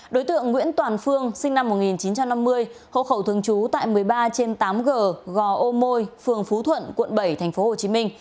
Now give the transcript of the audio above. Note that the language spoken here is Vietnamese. đối tượng nguyễn toàn phương sinh năm một nghìn chín trăm năm mươi hộ khẩu thường trú tại một mươi ba trên tám g gò ô môi phường phú thuận quận bảy tp hcm